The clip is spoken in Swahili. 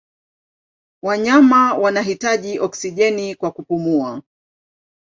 Wanyama wanahitaji oksijeni kwa kupumua.